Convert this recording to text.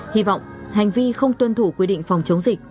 hy vọng hành vi không tuân thủ quy định phòng chống dịch